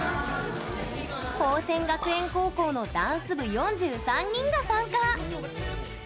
宝仙学園高校のダンス部４３人が参加！